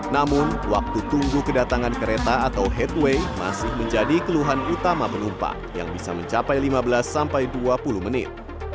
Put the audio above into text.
namun waktu tunggu kedatangan kereta atau headway masih menjadi keluhan utama penumpang yang bisa mencapai lima belas sampai dua puluh menit